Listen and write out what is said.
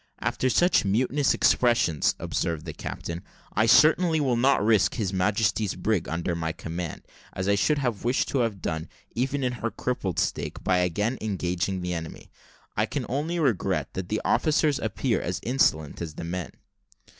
"After such mutinous expressions," observed the captain, "I certainly will not risk His Majesty's brig under my command, as I should have wished to have done, even in her crippled state, by again engaging the enemy. I can only regret that the officers appear as insolent as the men."